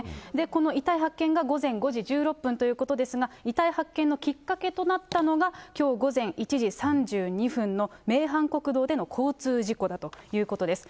この遺体発見が午前５時１６分ということですが、遺体発見のきっかけとなったのが、きょう午前１時３２分の名阪国道での交通事故だということです。